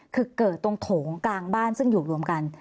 คือเกิดตรงโถงกลางบ้านซึ่งอยู่รวมกัน